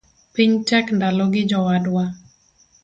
Piny tek ndalogi jowadwa